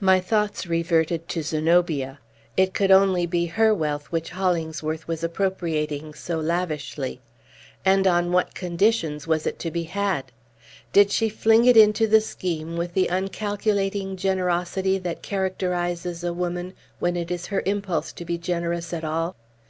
My thoughts reverted to Zenobia. It could only be her wealth which Hollingsworth was appropriating so lavishly. And on what conditions was it to be had? Did she fling it into the scheme with the uncalculating generosity that characterizes a woman when it is her impulse to be generous at all?